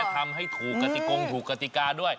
เอ้อแค่ทำให้ถูกกฎิกัรถูกการณ์ด้วย